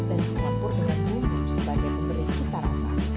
dan dicampur dengan bumbu sebagai pemberi cinta rasa